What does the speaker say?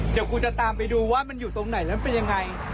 เดี๋ยวกูจะตามไปดูว่ามันอยู่ตรงไหนแล้วมันเป็นยังไง